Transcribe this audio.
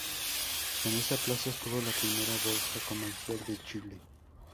En esta plaza estuvo la primera Bolsa Comercial de Chile.